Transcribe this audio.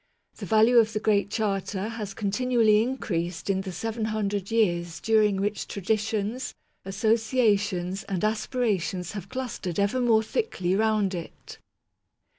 The value of the Great Charter has continually increased in the seven hundred years during which traditions, associations, and aspirations have clustered ever more thickly round it.